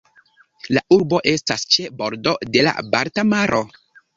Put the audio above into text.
La urbo estas ĉe bordo de la Balta maro.